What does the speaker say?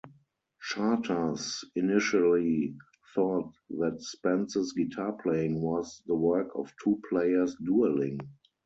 Charters initially thought that Spence's guitar playing was the work of two players duelling.